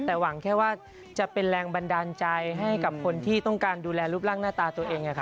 แต่หวังแค่ว่าจะเป็นแรงบันดาลใจให้กับคนที่ต้องการดูแลรูปร่างหน้าตาตัวเอง